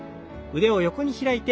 腕を大きく横に開いて。